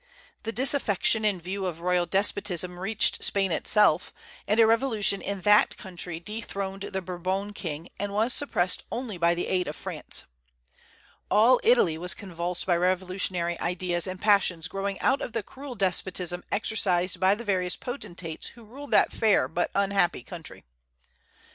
The disaffection in view of royal despotism reached Spain itself, and a revolution in that country dethroned the Bourbon king, and was suppressed only by the aid of France. All Italy was convulsed by revolutionary ideas and passions growing out of the cruel despotism exercised by the various potentates who ruled that fair but unhappy country.